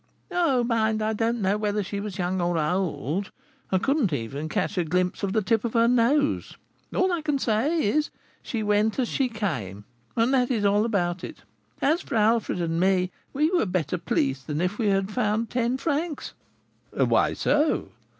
"Oh! mind, I don't know whether she was young or old; I could not even catch a glimpse of the tip of her nose; all I can say is she went as she came, and that is all about it. As for Alfred and me, we were better pleased than if we had found ten francs." "Why so?"